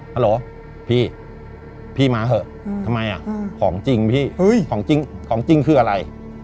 ฮัลโหลพี่พี่มาเถอะทำไมของจริงพี่ของจริงของจริงคืออะไร